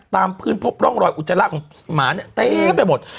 ตามพื้นพบร่องรอยอุจจาระของหมาเนี่ยเต็มไปหมด